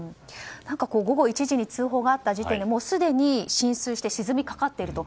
午後１時に通報があった時点ですでに浸水して沈みかかっていると。